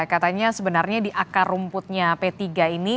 katanya sebenarnya di akar rumputnya p tiga ini